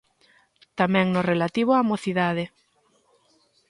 Tamén no relativo á mocidade.